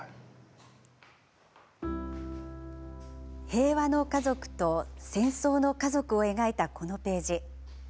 平和の家族と戦争の家族を描いたこのページ。